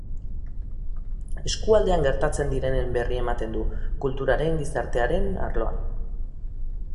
Eskualdean gertatzen direnen berri ematen du, kulturaren, gizartearen... arloan.